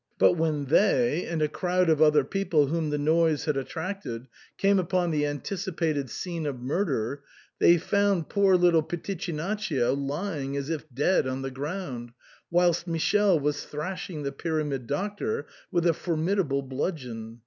But when they, and a crowd of other peo ple whom the noise had attracted, came upon the an ticipated scene of murder, they found poor little Piti chinaccio lying as if dead on the ground, whilst Michele was thrashing the Pyramid Doctor with a formidable bludgeon.